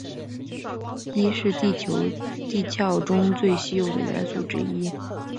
铱是地球地壳中最稀有的元素之一。